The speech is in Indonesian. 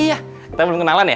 iya kita belum kenalan ya